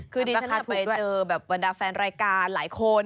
คือดิฉันเคยไปเจอแบบบรรดาแฟนรายการหลายคน